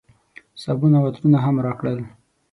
صابون او عطرونه هم راکړل.